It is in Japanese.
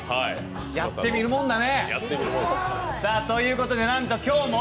やってみるもんだね。ということでなんと今日も！？